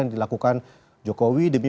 yang dilakukan jokowi demi